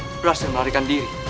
berhasil melarikan diri